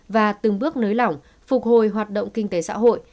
và từng bước nới lỏng phục hồi hoạt động kinh tế xã hội